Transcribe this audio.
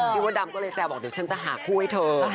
พี่มดดำก็เลยแสดงว่าเดี๋ยวฉันจะหาผู้ให้เธอ